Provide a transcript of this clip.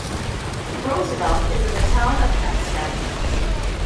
Roosevelt is in the town of Hempstead.